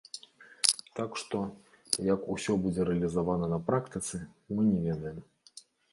Так што, як усё будзе рэалізавана на практыцы, мы не ведаем.